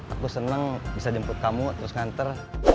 aku senang bisa jemput kamu terus nganter